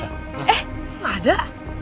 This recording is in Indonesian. eh gak ada